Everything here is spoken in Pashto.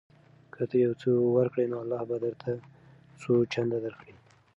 که ته یو څه ورکړې نو الله به درته څو چنده درکړي.